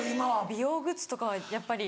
美容グッズとかはやっぱり。